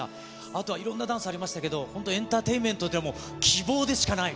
あとはいろんなダンスありましたけど、本当、エンターテインメントでも、希望でしかない。